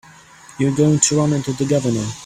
You're going to run into the Governor.